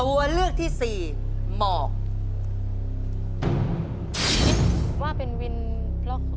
ว่าเป็นวินเพราะว่า